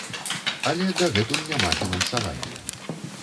Але дагэтуль няма фінансавання.